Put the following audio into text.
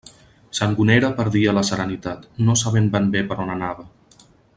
Sangonera perdia la serenitat, no sabent ben bé per on anava.